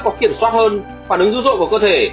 có kiểm soát hơn phản ứng dữ dội của cơ thể